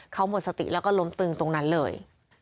เขาหมดสติแล้วก็ล้มตึงตรงนั้นเลย